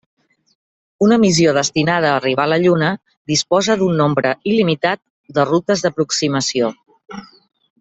Una missió destinada a arribar a la Lluna disposa d'un nombre il·limitat de rutes d'aproximació.